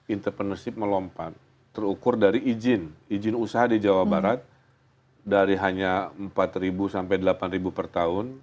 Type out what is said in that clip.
entrepreneurship melompat terukur dari izin izin usaha di jawa barat dari hanya empat sampai delapan per tahun